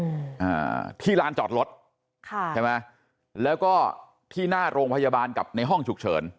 อ่าที่ลานจอดรถค่ะใช่ไหมแล้วก็ที่หน้าโรงพยาบาลกับในห้องฉุกเฉิน